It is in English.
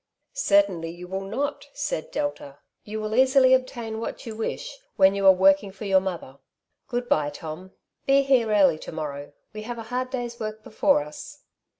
'' Certainly you will not/' said Delta. ^' Tou will easily obtain what you wish, when you are working for your mother. Good bye, Tom. Be here early to morrow ; we have a hard day's work before us."